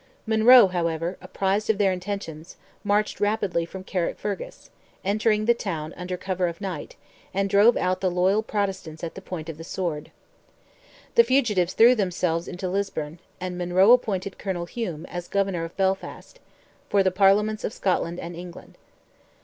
Monroe, however, apprised of their intentions, marched rapidly from Carrickfergus, entered the town under cover of night, and drove out the loyal Protestants at the point of the sword. The fugitives threw themselves into Lisburn, and Monroe appointed Colonel Hume as Governor of Belfast, for the Parliaments of Scotland and England.